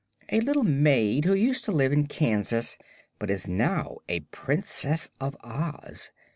"A little maid who used to live in Kansas, but is now a Princess of Oz.